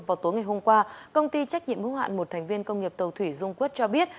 vào tối ngày hôm qua công ty trách nhiệm hữu hạn một thành viên công nghiệp tàu thủy dung quất cho biết